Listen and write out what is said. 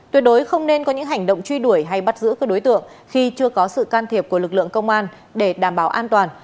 tuyệt đối không nên có những hành động truy đuổi hay bắt giữ các đối tượng khi chưa có sự can thiệp của lực lượng công an để đảm bảo an toàn